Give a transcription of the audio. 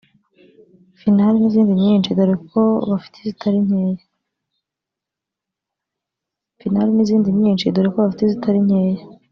Final n’izindi nyinshi dore ko bafite izitari nkeya